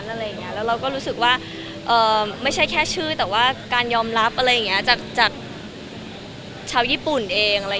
มันไม่ใช่แค่ชื่อแต่ก็การยอมรับจากชาวญี่ปุ่นเอง